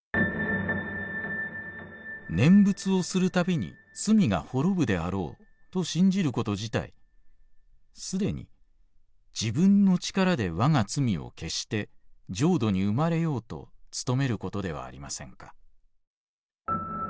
「念仏をするたびに罪が滅ぶであろうと信じること自体すでに自分の力でわが罪を消して浄土に生まれようとつとめることではありませんか。